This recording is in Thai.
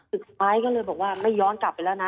อีกสักครั้งก็เลยบอกว่ามันย้อนกลับไปแล้วนะ